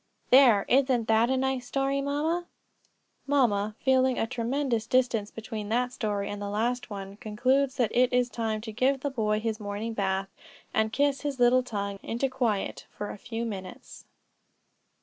'" "There, isn't that a nice story, mamma?" Mamma, feeling a tremendous distance between that story and the last one, concludes that it is time to give the boy his morning bath, and kiss his little tongue into quiet for a few minutes.